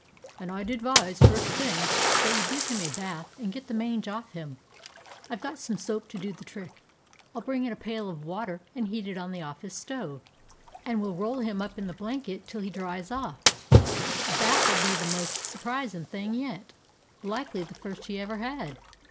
"And I 'd advise, first thing, that you give him a bath and get the mange off him. I 've got some soap to do the trick. I 'll bring in a pail of water and heat it on the office stove, and we 'll roll him up in the blanket till he dries off. A bath 'll be the most surprisin' thing yet. Likely the first he ever had."